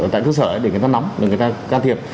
tại cơ sở để người ta nắm để người ta can thiệp